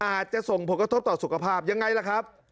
อาจจะส่งผลกระทบต่อสุขภาพยังไงล่ะครับ